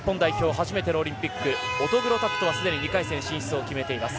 初めてのオリンピック乙黒拓斗はすでに２回戦進出を決めています。